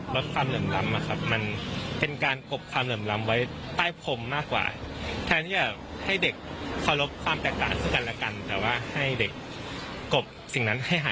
แล้วก็เค้าอาจารย์ให้ทำอย่าง